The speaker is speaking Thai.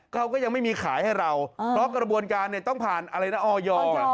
เขาก็ยังไม่มีขายให้เราเพราะกระบวนการเนี่ยต้องผ่านอะไรนะออย